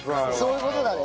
そういう事だね。